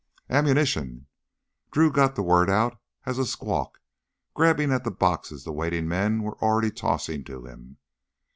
"Ammunition!" Drew got the word out as a squawk, grabbing at the boxes the waiting men were already tossing to him.